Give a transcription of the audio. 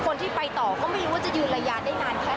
คนที่ไปต่อก็ไม่รู้ว่าจะยืนระยะได้นานแค่ไหน